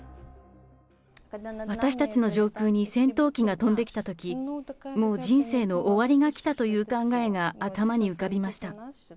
私たちの上空に戦闘機が飛んできたとき、もう人生の終わりが来たという考えが頭に浮かびました。